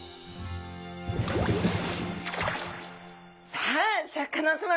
さあシャーク香音さま